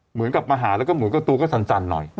เหมือนกับมาหาแล้วก็เหมือนกับตัวก็สั่นหน่อย